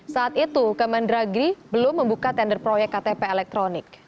saat itu kemendagri belum membuka tender proyek ktp elektronik